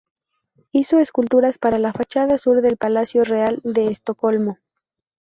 Hizo esculturas para la fachada sur del Palacio Real de Estocolmo.